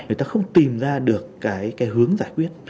người ta không tìm ra được cái hướng giải quyết